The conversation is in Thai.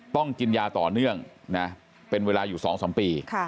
ต้องกินยาต่อเนื่องนะเป็นเวลาอยู่๒๓ปี